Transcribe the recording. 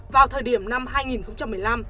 vào thời điểm năm hai nghìn một mươi năm